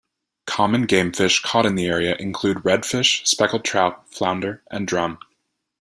Common game fish caught in the area include redfish, speckled trout, flounder, and drum.